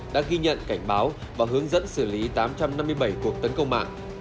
đã ghi nhận cảnh báo và hướng dẫn xử lý tám trăm năm mươi bảy cuộc tấn công mạng